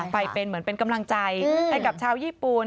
ไปเป็นเหมือนเป็นกำลังใจให้กับชาวญี่ปุ่น